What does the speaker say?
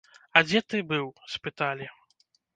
А дзе ты быў, спыталі.